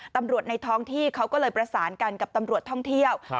ในท้องที่เขาก็เลยประสานกันกับตำรวจท่องเที่ยว